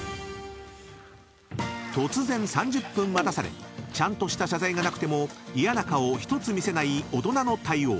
［突然３０分待たされちゃんとした謝罪がなくても嫌な顔一つ見せない大人の対応］